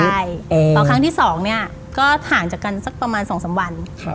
ใช่ต่อครั้งที่สองเนี่ยก็ห่างจากกันสักประมาณสองสามวัน